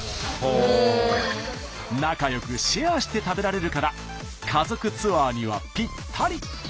仲よくシェアして食べられるから家族ツアーにはぴったり！